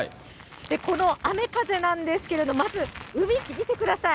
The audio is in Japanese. この雨、風なんですけれども、まず海、見てください。